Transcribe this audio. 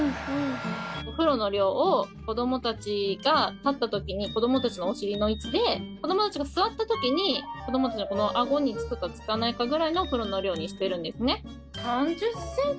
お風呂の量を子どもたちが立ったときに子どもたちのお尻の位置で子どもたちが座ったときに子どもたちのあごにつくかつかないかぐらいのお風呂の量にしてるんですね。